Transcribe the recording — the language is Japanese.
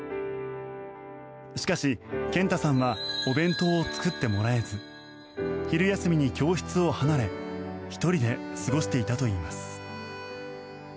しかし、健太さんはお弁当を作ってもらえず昼休みに教室を離れ１人で過ごしていたといいます。